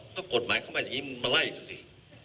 ก็กฎหมายเขามาจากนี้มาไล่สิ